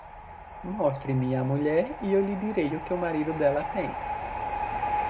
Mostre-me a mulher e eu lhe direi o que o marido dela tem.